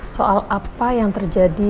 soal apa yang terjadi